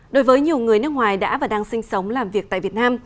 đối với nhiều người nước ngoài đã và đang sinh sống làm việc tại việt nam